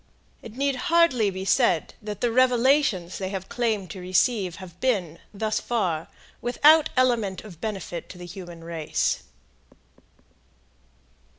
It need hardly be said that the revelations they have claimed to receive have been, thus far, without element of benefit to the human race.